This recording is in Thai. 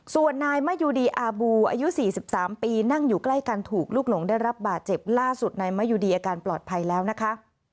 ส่วนนายมะยูดีอาบูอายุ๔๓ปีนั่งอยู่ใกล้กันถูกลูกหลงได้รับบาดเจ็บล่าสุดนายมะยูดีอาการปลอดภัยแล้วนะคะ